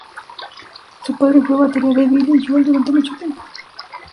Su padre fue batería de Billy Joel durante mucho tiempo.